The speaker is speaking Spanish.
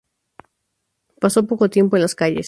Pasó poco tiempo en las calles.